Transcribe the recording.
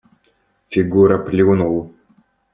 Фигура плюнул.